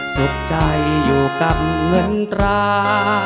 สุขใจอยู่กับเงินตรา